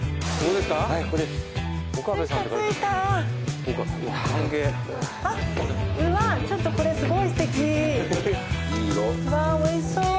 うわーおいしそう。